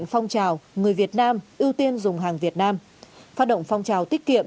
phát động phong trào tiết kiệm